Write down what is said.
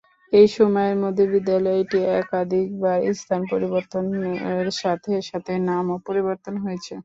এই সময়ের মধ্যে বিদ্যালয়টি একাধিকবার স্থান পরিবর্তনের সাথে সাথে নামও পরিবর্তিত হয়েছে।